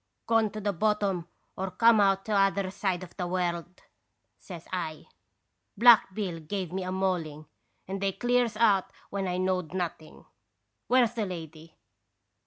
"' Gone to the bottom or come out t' other side of the world !' says I. ' Black Bill give me a mauling, and they clears out when I knowed nothing. Where's the lady?'